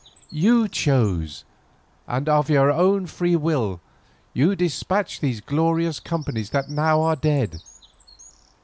You chose, and of your own free will you despatched those glorious companies that now are dead.